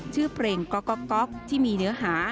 ชื่อเพลงก๊อกก๊อกก๊อกที่มีเนื้อหา